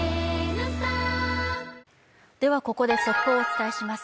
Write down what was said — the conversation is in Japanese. ここで速報をお伝えします。